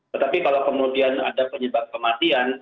tetapi kalau kemudian ada penyebab kematian